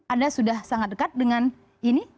anda sudah sangat dekat dengan ini